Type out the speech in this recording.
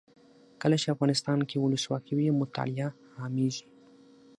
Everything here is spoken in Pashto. کله چې افغانستان کې ولسواکي وي مطالعه عامیږي.